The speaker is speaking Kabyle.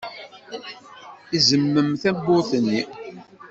Izemmem tawwurt-nni.